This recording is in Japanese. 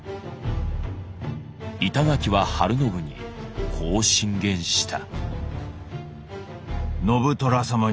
板垣は晴信にこう進言した。